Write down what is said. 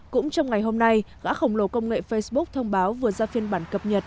cũng trong ngày hôm nay gã khổng lồ công nghệ facebook thông báo vừa ra phiên bản cập nhật